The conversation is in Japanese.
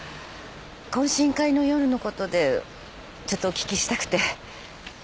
懇親会の夜のことでちょっとお聞きしたくて。